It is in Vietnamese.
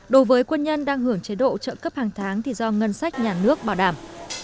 đối với quân nhân đang hưởng chế độ trợ cấp hàng tháng thì do ngân sách nhà nước bảo đảm